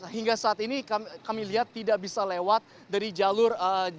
hingga saat ini kami lihat tidak bisa lewat dari jalur